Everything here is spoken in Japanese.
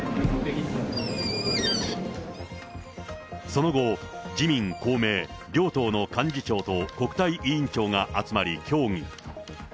その後、自民、公明両党の幹事長と国対委員長が集まり、協議。